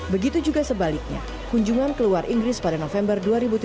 begitu juga sebaliknya kunjungan keluar inggris pada november dua ribu tujuh belas